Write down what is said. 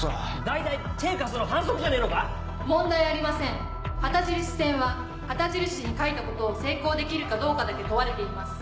大体手貸すの反則じゃねえのか⁉問題ありません旗印戦は旗印に書いたことを成功できるかどうかだけ問われています。